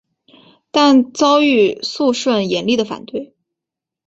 但遭遇肃顺严厉的反对。